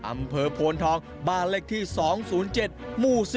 อำเภอโพนทองบาลเล็กที่๒๐๗มู่๑๐